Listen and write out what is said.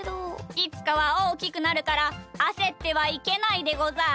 いつかはおおきくなるからあせってはいけないでござる。